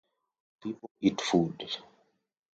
People eat food.